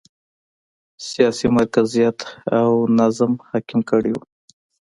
سیاسي مرکزیت او نظم حاکم کړی و.